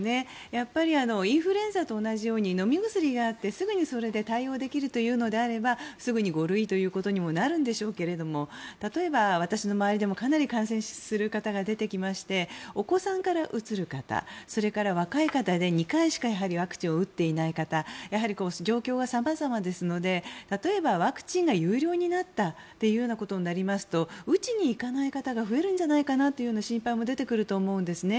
やっぱりインフルエンザと同じように飲み薬があって、すぐにそれで対応できるというのであればすぐに５類ということにもなるんでしょうけども例えば、私の周りでもかなり感染する方が出てきましてお子さんからうつる方それから若い方で２回しかワクチンを打っていない方状況は様々ですので例えば、ワクチンが有料になったということになりますと打ちに行かない方が増えるんじゃないかなという心配も増えると思うんですね。